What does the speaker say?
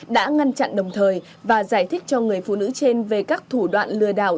đã ngăn chặn đồng thời và giải thích cho người phụ nữ trên về các thủ đoạn lừa đảo